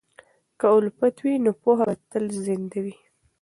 که الفت وي، نو پوهه به تل زنده وي.